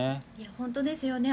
本当ですよね。